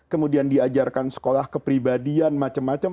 kemudian diajarkan sekolah kepribadian macam macam